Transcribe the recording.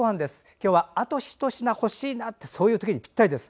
今日は、あとひと品欲しいなってそういうときにぴったりです。